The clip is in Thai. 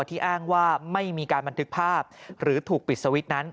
ที่อ้างว่าไม่มีการบันทึกภาพหรือถูกปิดสวิตช์นั้น